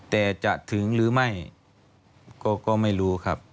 แต่จะถึงหรือไม่ก็ไม่รู้ครับ